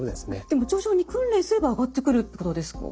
でも徐々に訓練すれば上がってくるってことですか？